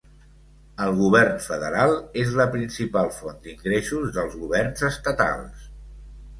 El govern federal és la principal font d'ingressos dels governs estatals.